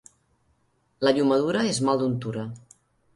La llomadura és mal d'untura.